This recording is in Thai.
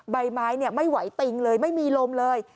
ใบไม้ไม่ไหวติงเลยไม่มีลมเลย